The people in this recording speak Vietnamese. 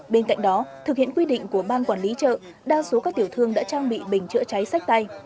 bên cạnh đó thực hiện quy định của ban quản lý chợ đa số các tiểu thương đã trang bị bình chữa cháy sách tay